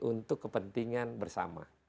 untuk kepentingan bersama